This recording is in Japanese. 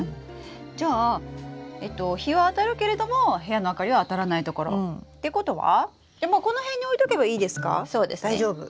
じゃあ日はあたるけれども部屋の明かりはあたらない所ってことはこの辺に置いとけばいいですか？大丈夫？